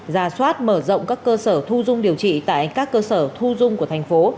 ra soát mở rộng các cơ sở thu dung điều trị tại các cơ sở thu dung của thành phố